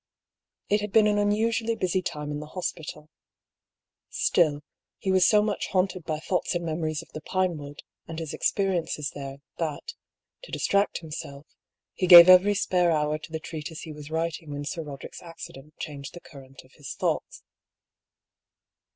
It had been an unusually busy time in the hospital. Still, he was so much haunted by thoughts and memories of the Pinewood, and his experiences there, that, to dis tract himself, he gave every spare hour to the treatise he was writing when Sir Koderick's accident changed the current of his thoughts.